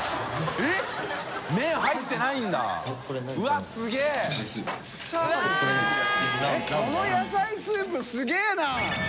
えっこの野菜スープすげぇな！